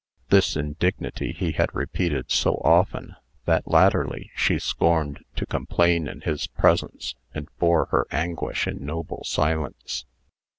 This indignity he had repeated so often, that, latterly, she scorned to complain in his presence, and bore her anguish in noble silence.